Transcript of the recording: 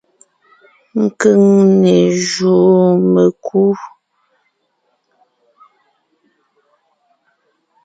Keŋne jùu mekú.